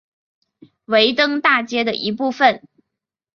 维登大街的一部分。